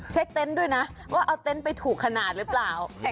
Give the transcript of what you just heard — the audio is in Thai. เต็นต์ด้วยนะว่าเอาเต็นต์ไปถูกขนาดหรือเปล่า